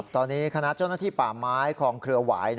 ตอนนี้คณะเจ้าหน้าที่ป่าไม้คลองเครือหวาย